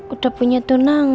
udah punya tunangnya